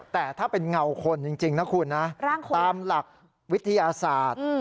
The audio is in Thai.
แต่ถ้าเป็นเงาคนจริงนะคุณนะตามหลักวิทยาศาสตร์